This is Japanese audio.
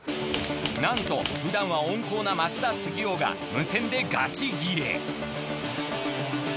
なんとふだんは温厚な松田次生が無線でガチギレ。